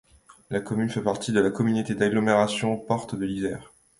La commune fait partie de la communauté d'agglomération Porte de l'Isère.